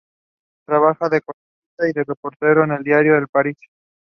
There is no historical record of the founding or early history of Tamna.